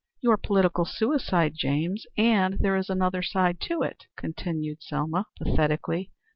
"Your political suicide, James. And there is another side to it," continued Selma, pathetically.